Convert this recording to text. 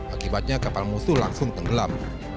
akibatnya kapal musuh langsung tenggelam